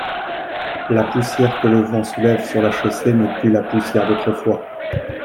La poussière que le vent soulève sur la chaussée n'est plus la poussière d'autrefois.